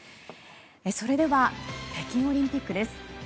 それでは北京オリンピックです。